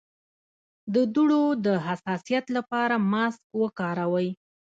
د دوړو د حساسیت لپاره ماسک وکاروئ